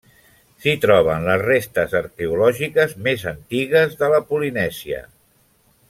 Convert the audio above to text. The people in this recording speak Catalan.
S'hi troben les restes arqueològiques més antigues de la Polinèsia.